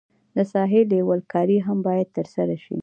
د ساحې لیول کاري هم باید ترسره شي